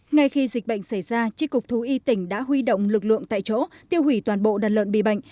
ngay khi dịch bệnh xảy ra tri cục thú y tỉnh đã huy động lực lượng tại chỗ tiêu hủy toàn bộ đàn lợn bị bệnh